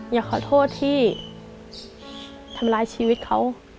อยากขอโทษที่ทำร้ายชีวิตเขา